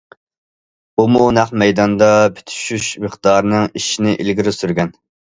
بۇمۇ نەق مەيداندا پۈتۈشۈش مىقدارىنىڭ ئېشىشىنى ئىلگىرى سۈرگەن.